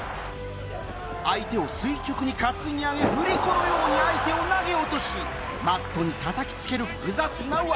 相手を垂直に担ぎ上げ振り子のように相手を投げ落としマットにたたき付ける複雑な技